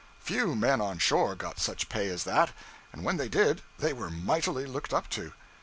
Few men on shore got such pay as that, and when they did they were mightily looked up to.